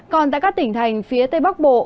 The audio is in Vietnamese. còn tại các tỉnh thành phía tây bắc bộ